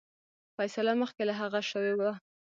فیصله مخکي له هغه شوې وه.